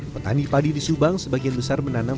petani padi di subang sebagian besar menanam